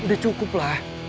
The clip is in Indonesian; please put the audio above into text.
udah cukup lah